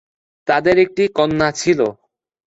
তাদের একটি কন্যা ছিল।